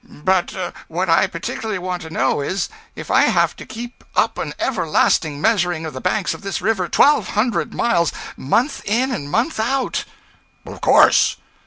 'But what I particularly want to know is, if I have got to keep up an everlasting measuring of the banks of this river, twelve hundred miles, month in and month out?' 'Of course!'